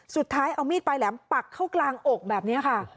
สุดท้ายเอามีดปลายแหลมปักเข้ากลางอกแบบนี้ค่ะ